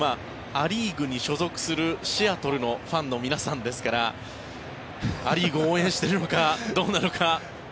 ア・リーグに所属するシアトルのファンの皆さんですからア・リーグを応援してるのかどうなのか。